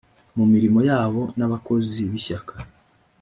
mu mirimo yabo n abakozi b ishyaka